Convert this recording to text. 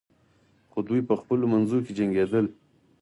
خو دوی په خپلو منځو کې جنګیدل.